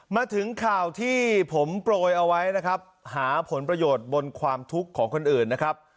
มาถึงข่าวที่ผมโปรยเอาไว้นะครับหาผลประโยชน์บนความทุกข์ของคนอื่นนะครับ